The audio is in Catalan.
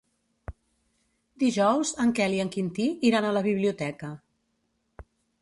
Dijous en Quel i en Quintí iran a la biblioteca.